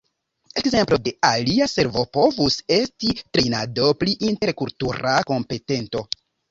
Ekzemplo de alia servo povus esti trejnado pri interkultura kompetento.